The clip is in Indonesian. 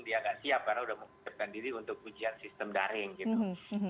dia nggak siap karena sudah mengucapkan diri untuk ujian sistem daring gitu